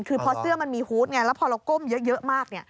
คือพอเสื้อมันมีฮูตไงแล้วพอเราก้มเยอะมาก